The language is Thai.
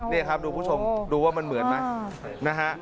นี่ครับดูว่ามันเหมือนไหม